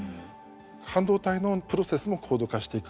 半導体のプロセスも高度化していく。